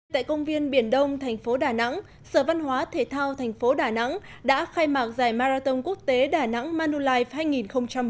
tại công viên biển đông thành phố đà nẵng sở văn hóa thể thao thành phố đà nẵng đã khai mạc giải marathon quốc tế đà nẵng manulife hai nghìn một mươi chín